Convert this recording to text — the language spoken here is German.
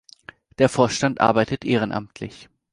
Der Vorstand arbeitet ehrenamtlich.